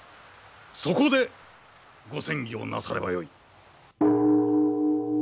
そこでご僉議をなさればよい。